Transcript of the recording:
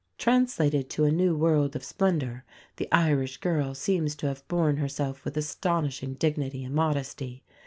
Translated to a new world of splendour the Irish girl seems to have borne herself with astonishing dignity and modesty.